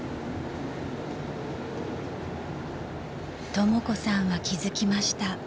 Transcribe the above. ［とも子さんは気付きました］